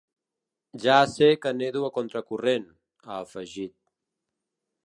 Ja sé que nedo a contracorrent, ha afegit.